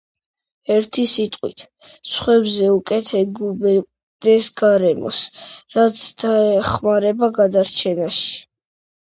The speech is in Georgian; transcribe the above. ერთი სიტყვით, სხვებზე უკეთ ეგუებოდეს გარემოს, რაც დაეხმარება გადარჩენაში.